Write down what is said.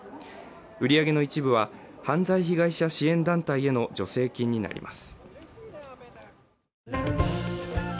売り上げの一部は犯罪被害者支援団体への助成金になります。